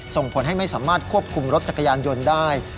ส่งผลให้ไม่สามารถควบคุมรถจักรยานยนต์ได้